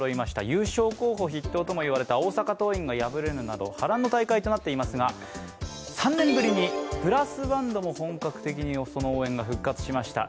優勝候補筆頭とも言われた大阪桐蔭が敗れるなど波乱の大会となっていますが、３年ぶりにブラスバンドも本格的に、その応援が復活しました。